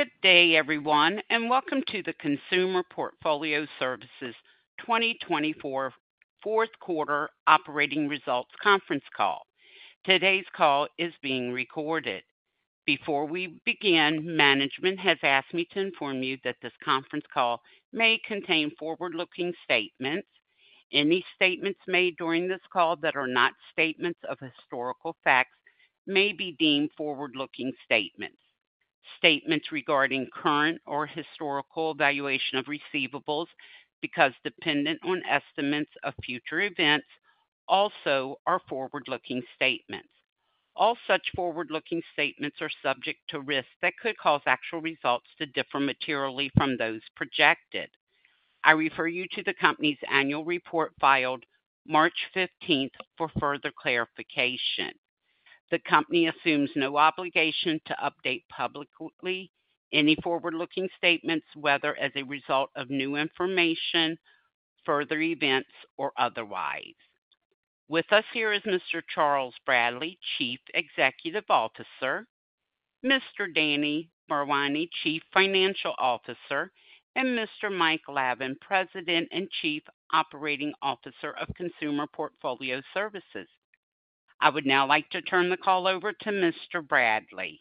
Good day, everyone, and welcome to the Consumer Portfolio Services 2024 fourth quarter operating results conference call. Today's call is being recorded. Before we begin, management has asked me to inform you that this conference call may contain forward-looking statements. Any statements made during this call that are not statements of historical facts may be deemed forward-looking statements. Statements regarding current or historical valuation of receivables, because dependent on estimates of future events, also are forward-looking statements. All such forward-looking statements are subject to risks that could cause actual results to differ materially from those projected. I refer you to the company's annual report filed March 15th for further clarification. The company assumes no obligation to update publicly any forward-looking statements, whether as a result of new information, further events, or otherwise. With us here is Mr. Charles Bradley, Chief Executive Officer; Mr. Danny Bharwani, Chief Financial Officer; and Mr. Mike Lavin, President and Chief Operating Officer of Consumer Portfolio Services. I would now like to turn the call over to Mr. Bradley.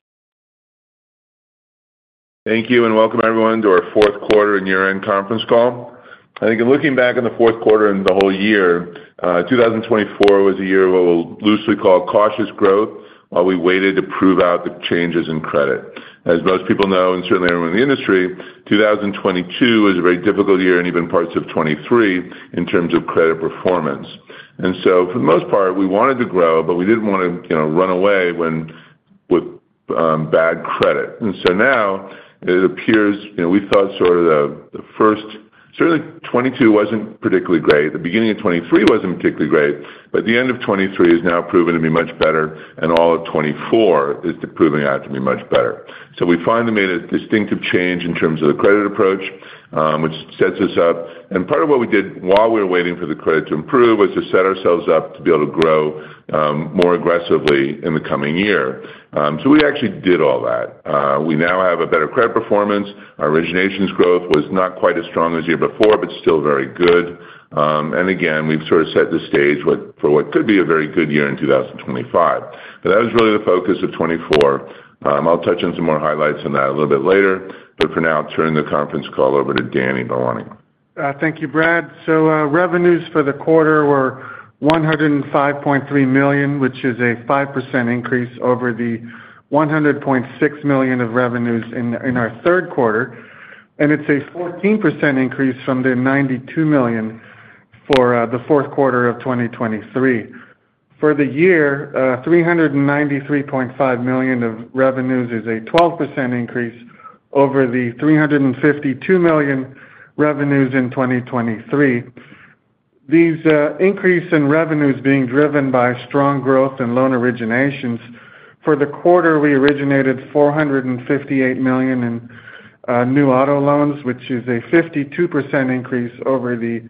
Thank you, and welcome everyone to our fourth quarter and year-end conference call. I think in looking back on the fourth quarter and the whole year, 2024 was a year where we'll loosely call cautious growth while we waited to prove out the changes in credit. As most people know, and certainly everyone in the industry, 2022 was a very difficult year and even parts of 2023 in terms of credit performance. For the most part, we wanted to grow, but we did not want to run away with bad credit. Now it appears we thought sort of the first, certainly 2022 was not particularly great. The beginning of 2023 was not particularly great, but the end of 2023 has now proven to be much better, and all of 2024 is proving out to be much better. We finally made a distinctive change in terms of the credit approach, which sets us up. Part of what we did while we were waiting for the credit to improve was to set ourselves up to be able to grow more aggressively in the coming year. We actually did all that. We now have a better credit performance. Our originations growth was not quite as strong as the year before, but still very good. Again, we've sort of set the stage for what could be a very good year in 2025. That was really the focus of 2024. I'll touch on some more highlights on that a little bit later, but for now, I'll turn the conference call over to Danny Bharwani. Thank you, Brad. Revenues for the quarter were $105.3 million, which is a 5% increase over the $100.6 million of revenues in our third quarter. It is a 14% increase from the $92 million for the fourth quarter of 2023. For the year, $393.5 million of revenues is a 12% increase over the $352 million revenues in 2023. These increases in revenues are being driven by strong growth in loan originations. For the quarter, we originated $458 million in new auto loans, which is a 52% increase over the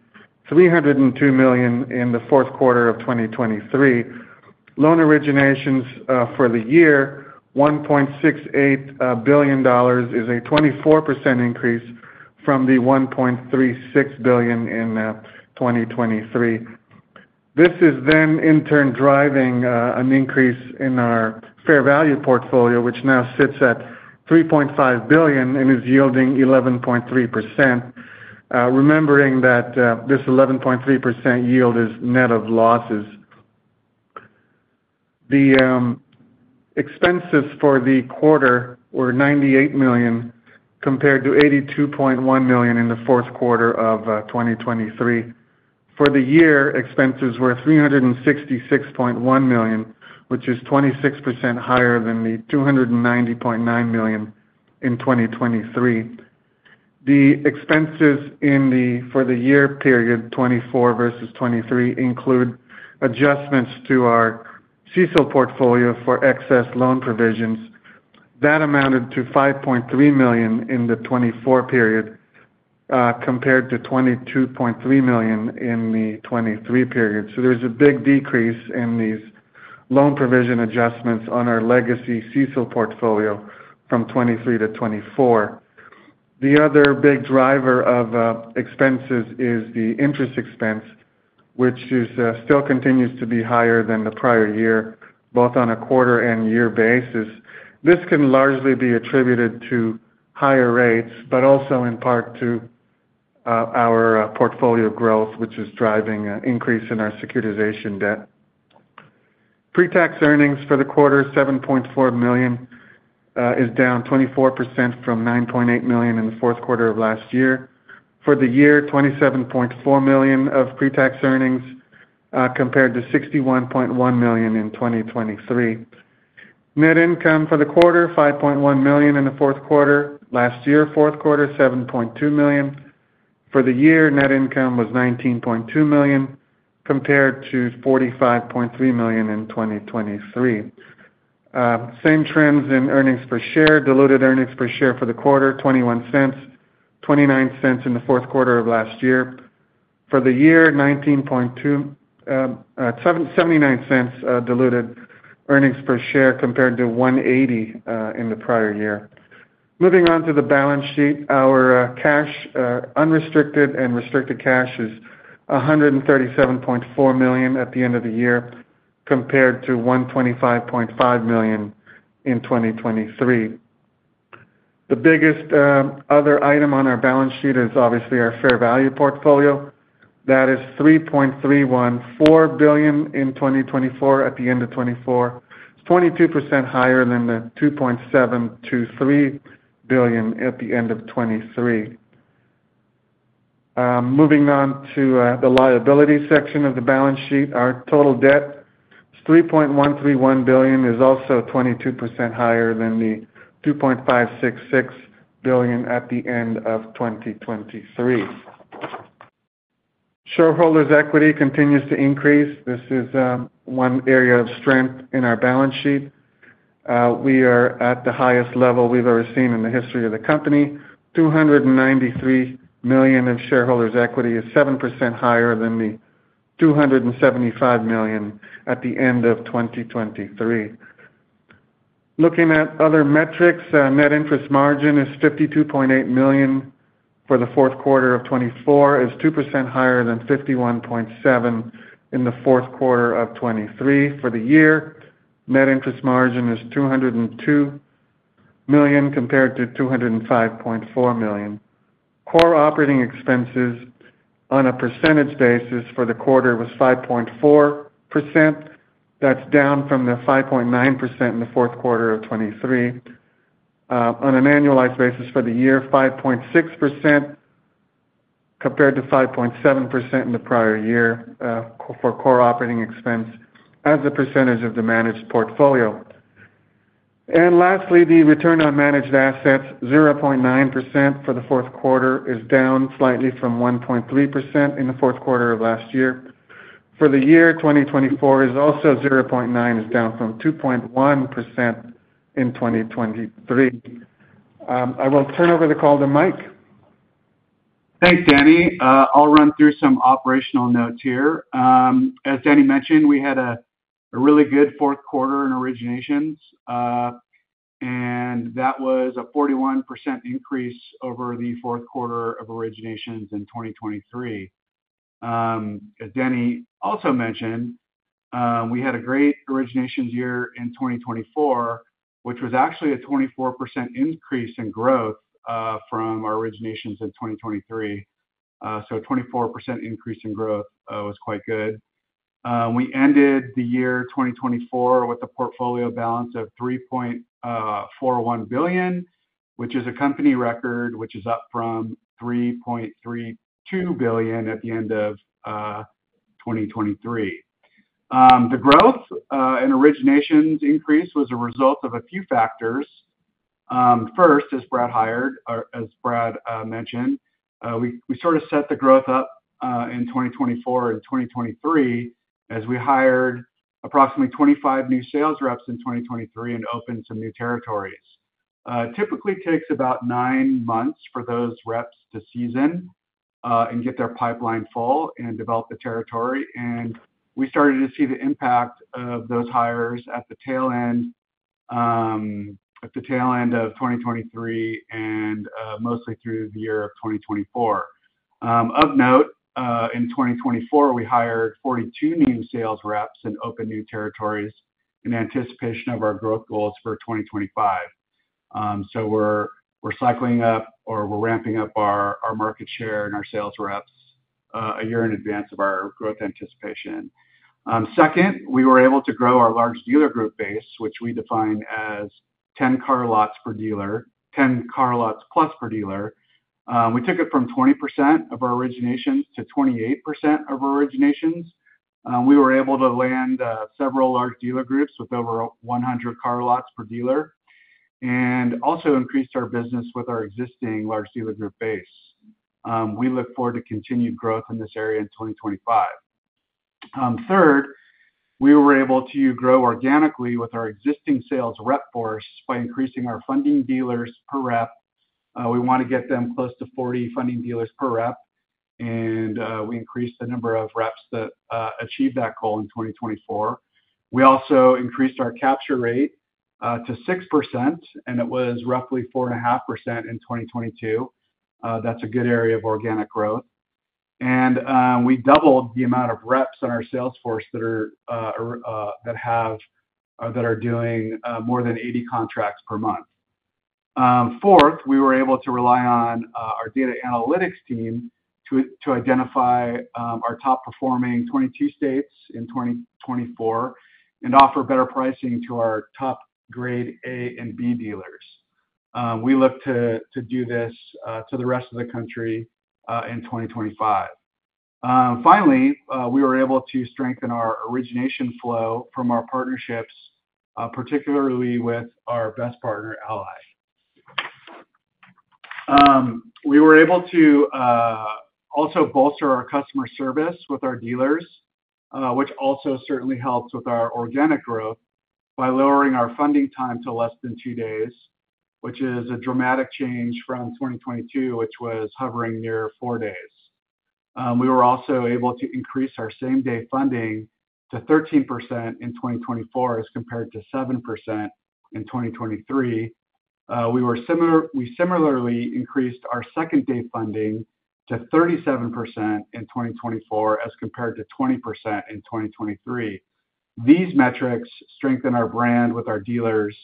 $302 million in the fourth quarter of 2023. Loan originations for the year, $1.68 billion, is a 24% increase from the $1.36 billion in 2023. This is then in turn driving an increase in our fair value portfolio, which now sits at $3.5 billion and is yielding 11.3%. Remember that this 11.3% yield is net of losses. The expenses for the quarter were $98 million compared to $82.1 million in the fourth quarter of 2023. For the year, expenses were $366.1 million, which is 26% higher than the $290.9 million in 2023. The expenses for the year period 2024 versus 2023 include adjustments to our CSO portfolio for excess loan provisions. That amounted to $5.3 million in the 2024 period compared to $22.3 million in the 2023 period. There is a big decrease in these loan provision adjustments on our legacy CSO portfolio from 2023 to 2024. The other big driver of expenses is the interest expense, which still continues to be higher than the prior year, both on a quarter and year basis. This can largely be attributed to higher rates, but also in part to our portfolio growth, which is driving an increase in our securitization debt. Pre-tax earnings for the quarter, $7.4 million, is down 24% from $9.8 million in the fourth quarter of last year. For the year, $27.4 million of pre-tax earnings compared to $61.1 million in 2023. Net income for the quarter, $5.1 million in the fourth quarter. Last year's fourth quarter, $7.2 million. For the year, net income was $19.2 million compared to $45.3 million in 2023. Same trends in earnings per share. Diluted earnings per share for the quarter, $0.21, $0.29 in the fourth quarter of last year. For the year, $0.79 diluted earnings per share compared to $1.80 in the prior year. Moving on to the balance sheet, our cash, unrestricted and restricted cash is $137.4 million at the end of the year compared to $125.5 million in 2023. The biggest other item on our balance sheet is obviously our fair value portfolio. That is $3.314 billion in 2024 at the end of 2024. It's 22% higher than the $2.723 billion at the end of 2023. Moving on to the liability section of the balance sheet, our total debt is $3.131 billion, is also 22% higher than the $2.566 billion at the end of 2023. Shareholders' equity continues to increase. This is one area of strength in our balance sheet. We are at the highest level we've ever seen in the history of the company. $293 million of shareholders' equity is 7% higher than the $275 million at the end of 2023. Looking at other metrics, net interest margin is $52.8 million for the fourth quarter of 2024, is 2% higher than $51.7 million in the fourth quarter of 2023. For the year, net interest margin is $202 million compared to $205.4 million. Core operating expenses on a percentage basis for the quarter was 5.4%. That's down from the 5.9% in the fourth quarter of 2023. On an annualized basis for the year, 5.6% compared to 5.7% in the prior year for core operating expense as a percentage of the managed portfolio. Lastly, the return on managed assets, 0.9% for the fourth quarter, is down slightly from 1.3% in the fourth quarter of last year. For the year, 2024 is also 0.9%, is down from 2.1% in 2023. I will turn over the call to Mike. Thanks, Danny. I'll run through some operational notes here. As Danny mentioned, we had a really good fourth quarter in originations, and that was a 41% increase over the fourth quarter of originations in 2023. As Danny also mentioned, we had a great originations year in 2024, which was actually a 24% increase in growth from our originations in 2023. A 24% increase in growth was quite good. We ended the year 2024 with a portfolio balance of $3.41 billion, which is a company record, which is up from $3.32 billion at the end of 2023. The growth and originations increase was a result of a few factors. First, as Brad mentioned, we sort of set the growth up in 2024 and 2023 as we hired approximately 25 new sales reps in 2023 and opened some new territories. Typically, it takes about nine months for those reps to season and get their pipeline full and develop the territory. We started to see the impact of those hires at the tail end of 2023 and mostly through the year of 2024. Of note, in 2024, we hired 42 new sales reps and opened new territories in anticipation of our growth goals for 2025. We're cycling up or we're ramping up our market share and our sales reps a year in advance of our growth anticipation. Second, we were able to grow our large dealer group base, which we define as 10 car lots per dealer, 10 car lots plus per dealer. We took it from 20% of our originations to 28% of our originations. We were able to land several large dealer groups with over 100 car lots per dealer and also increased our business with our existing large dealer group base. We look forward to continued growth in this area in 2025. Third, we were able to grow organically with our existing sales rep force by increasing our funding dealers per rep. We want to get them close to 40 funding dealers per rep, and we increased the number of reps that achieved that goal in 2024. We also increased our capture rate to 6%, and it was roughly 4.5% in 2022. That is a good area of organic growth. We doubled the amount of reps on our sales force that have or that are doing more than 80 contracts per month. Fourth, we were able to rely on our data analytics team to identify our top performing 22 states in 2024 and offer better pricing to our top grade A and B dealers. We look to do this to the rest of the country in 2025. Finally, we were able to strengthen our origination flow from our partnerships, particularly with our best partner, Ally. We were able to also bolster our customer service with our dealers, which also certainly helps with our organic growth by lowering our funding time to less than two days, which is a dramatic change from 2022, which was hovering near four days. We were also able to increase our same-day funding to 13% in 2024 as compared to 7% in 2023. We similarly increased our second-day funding to 37% in 2024 as compared to 20% in 2023. These metrics strengthen our brand with our dealers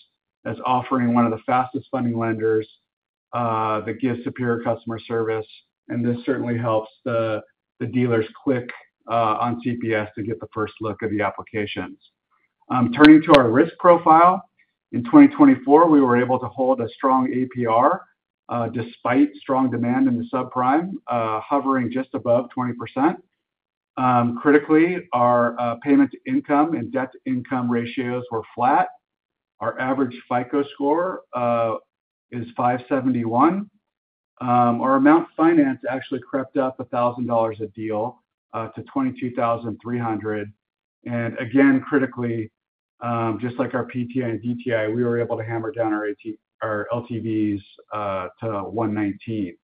as offering one of the fastest funding lenders that gives superior customer service. This certainly helps the dealers click on CPS to get the first look at the applications. Turning to our risk profile, in 2024, we were able to hold a strong APR despite strong demand in the subprime, hovering just above 20%. Critically, our payment to income and debt to income ratios were flat. Our average FICO score is 571. Our amount financed actually crept up $1,000 a deal to $22,300. Again, critically, just like our PTI and DTI, we were able to hammer down our LTVs to 119%.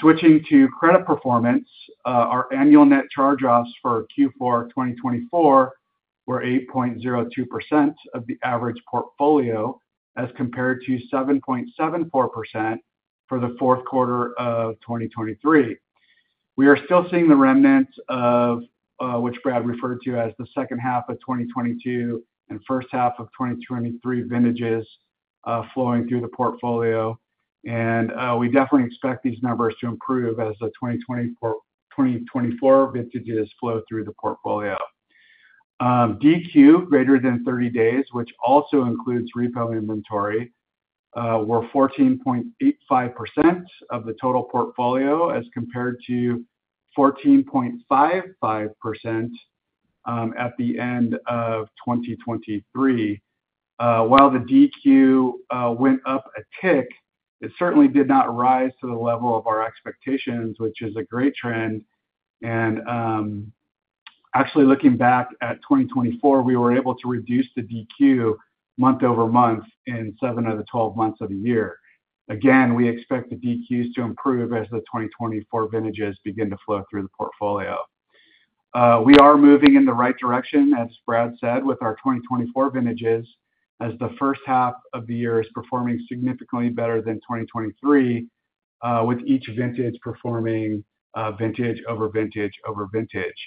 Switching to credit performance, our annual net charge-offs for Q4 2024 were 8.02% of the average portfolio as compared to 7.74% for the fourth quarter of 2023. We are still seeing the remnants of what Brad referred to as the second half of 2022 and first half of 2023 vintages flowing through the portfolio. We definitely expect these numbers to improve as the 2024 vintages flow through the portfolio. DQ, greater than 30 days, which also includes repo inventory, were 14.85% of the total portfolio as compared to 14.55% at the end of 2023. While the DQ went up a tick, it certainly did not rise to the level of our expectations, which is a great trend. Actually, looking back at 2024, we were able to reduce the DQ month over month in seven of the 12 months of the year. We expect the DQs to improve as the 2024 vintages begin to flow through the portfolio. We are moving in the right direction, as Brad said, with our 2024 vintages, as the first half of the year is performing significantly better than 2023, with each vintage performing vintage over vintage over vintage.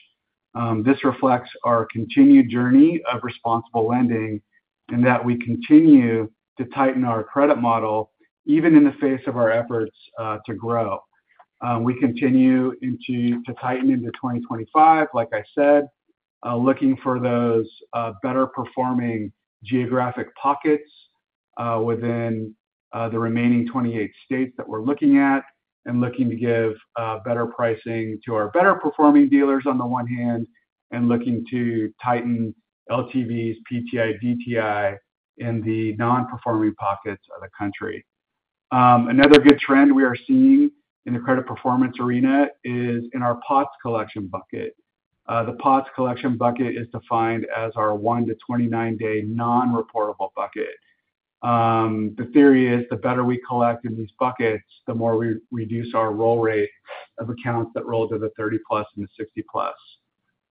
This reflects our continued journey of responsible lending and that we continue to tighten our credit model even in the face of our efforts to grow. We continue to tighten into 2025, like I said, looking for those better performing geographic pockets within the remaining 28 states that we're looking at and looking to give better pricing to our better performing dealers on the one hand and looking to tighten LTVs, PTI, DTI in the non-performing pockets of the country. Another good trend we are seeing in the credit performance arena is in our POTS collection bucket. The POTS collection bucket is defined as our 1-29-day non-reportable bucket. The theory is the better we collect in these buckets, the more we reduce our roll rate of accounts that roll to the 30%+ and the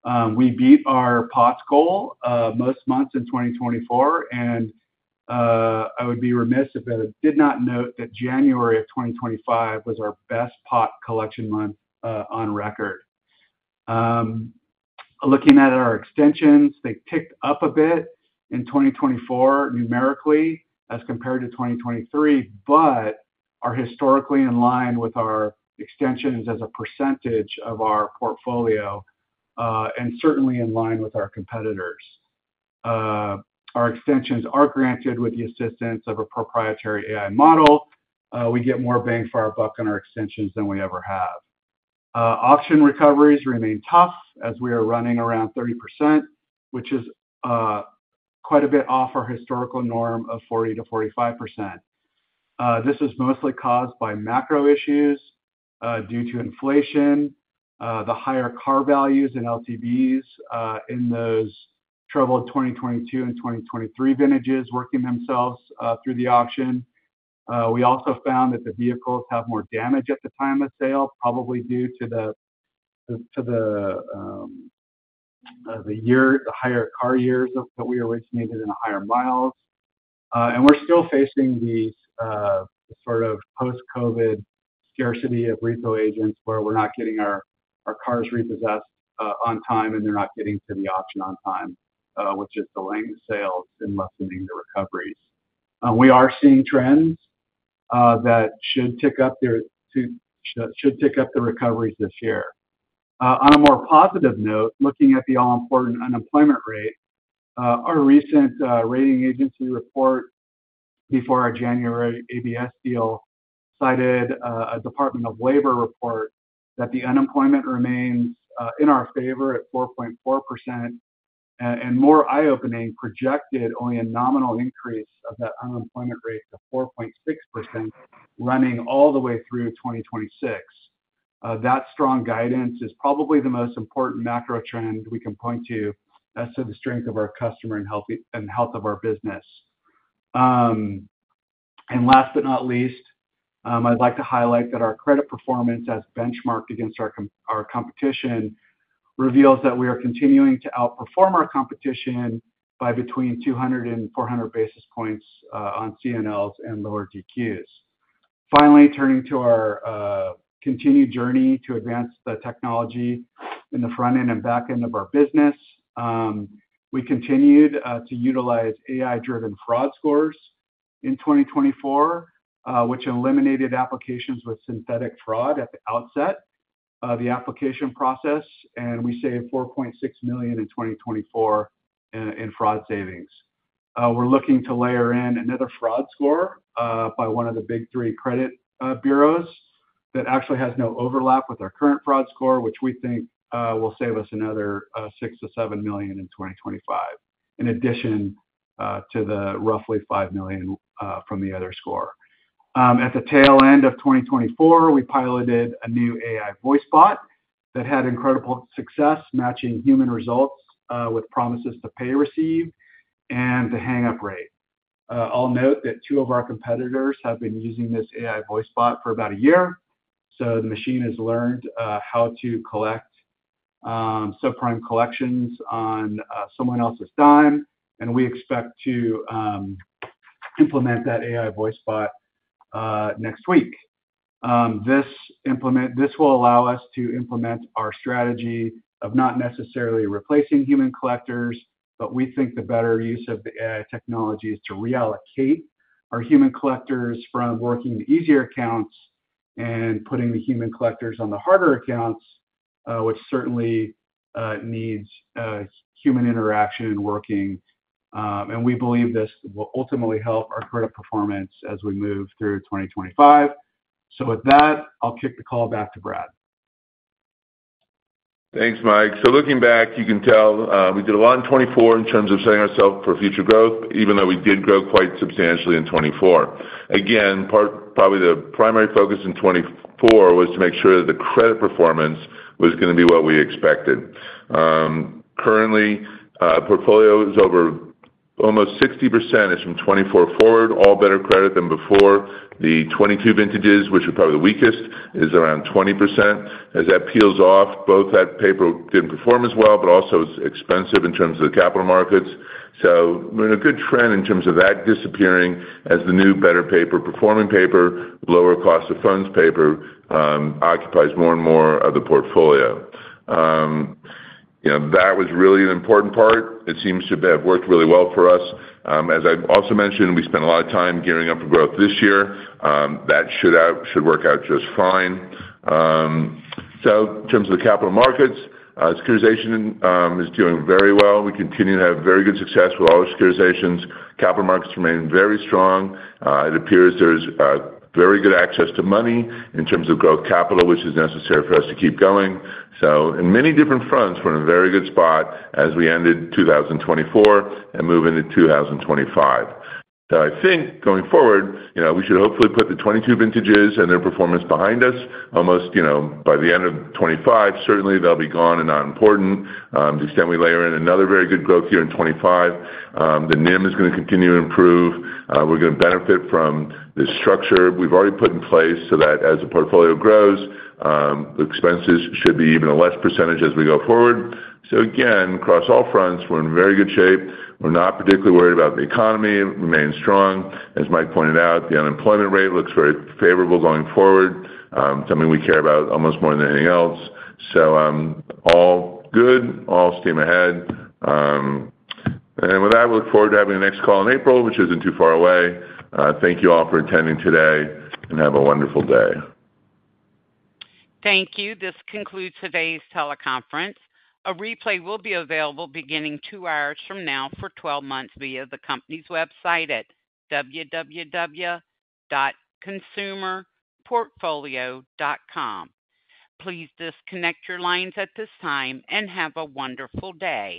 60%+. We beat our POTS goal most months in 2024, and I would be remiss if I did not note that January of 2025 was our best POTS collection month on record. Looking at our extensions, they ticked up a bit in 2024 numerically as compared to 2023, but are historically in line with our extensions as a percentage of our portfolio and certainly in line with our competitors. Our extensions are granted with the assistance of a proprietary AI model. We get more bang for our buck on our extensions than we ever have. Auction recoveries remain tough as we are running around 30%, which is quite a bit off our historical norm of 40%-45%. This is mostly caused by macro issues due to inflation, the higher car values and LTVs in those troubled 2022 and 2023 vintages working themselves through the auction. We also found that the vehicles have more damage at the time of sale, probably due to the higher car years that we originated and the higher miles. We are still facing this sort of post-COVID scarcity of repo agents where we are not getting our cars repossessed on time and they are not getting to the auction on time, which is delaying the sales and lessening the recoveries. We are seeing trends that should tick up the recoveries this year. On a more positive note, looking at the all-important unemployment rate, our recent rating agency report before our January ABS deal cited a Department of Labor report that the unemployment remains in our favor at 4.4% and more eye-opening projected only a nominal increase of that unemployment rate to 4.6% running all the way through 2026. That strong guidance is probably the most important macro trend we can point to as to the strength of our customer and health of our business. Last but not least, I'd like to highlight that our credit performance as benchmarked against our competition reveals that we are continuing to outperform our competition by between 200 and 400 basis points on CNLs and lower DQs. Finally, turning to our continued journey to advance the technology in the front end and back end of our business, we continued to utilize AI-driven fraud scores in 2024, which eliminated applications with synthetic fraud at the outset of the application process, and we saved $4.6 million in 2024 in fraud savings. We're looking to layer in another fraud score by one of the big three credit bureaus that actually has no overlap with our current fraud score, which we think will save us another $6 million-$7 million in 2025, in addition to the roughly $5 million from the other score. At the tail end of 2024, we piloted a new AI voice bot that had incredible success matching human results with promises to pay received and the hang-up rate. I'll note that two of our competitors have been using this AI voice bot for about a year. The machine has learned how to collect subprime collections on someone else's dime, and we expect to implement that AI voice bot next week. This will allow us to implement our strategy of not necessarily replacing human collectors, but we think the better use of the AI technology is to reallocate our human collectors from working the easier accounts and putting the human collectors on the harder accounts, which certainly needs human interaction working. We believe this will ultimately help our credit performance as we move through 2025. With that, I'll kick the call back to Brad. Thanks, Mike. Looking back, you can tell we did a lot in 2024 in terms of setting ourselves for future growth, even though we did grow quite substantially in 2024. Again, probably the primary focus in 2024 was to make sure that the credit performance was going to be what we expected. Currently, portfolios over almost 60% is from 2024 forward, all better credit than before. The 2022 vintages, which are probably the weakest, is around 20%. As that peels off, both that paper did not perform as well, but also is expensive in terms of the capital markets. We are in a good trend in terms of that disappearing as the new better paper, performing paper, lower cost of funds paper occupies more and more of the portfolio. That was really an important part. It seems to have worked really well for us. As I also mentioned, we spent a lot of time gearing up for growth this year. That should work out just fine. In terms of the capital markets, securitization is doing very well. We continue to have very good success with all the securitizations. Capital markets remain very strong. It appears there's very good access to money in terms of growth capital, which is necessary for us to keep going. In many different fronts, we're in a very good spot as we ended 2024 and move into 2025. I think going forward, we should hopefully put the 2022 vintages and their performance behind us. Almost by the end of 2025, certainly they'll be gone and not important to the extent we layer in another very good growth year in 2025. The NIM is going to continue to improve. We're going to benefit from the structure we've already put in place so that as the portfolio grows, the expenses should be even a less percentage as we go forward. Again, across all fronts, we're in very good shape. We're not particularly worried about the economy. It remains strong. As Mike pointed out, the unemployment rate looks very favorable going forward, something we care about almost more than anything else. All good, all steam ahead. With that, we look forward to having the next call in April, which is not too far away. Thank you all for attending today and have a wonderful day. Thank you. This concludes today's teleconference. A replay will be available beginning two hours from now for 12 months via the company's website at www.consumerportfolio.com. Please disconnect your lines at this time and have a wonderful day.